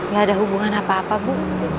gak ada hubungan apa apa bu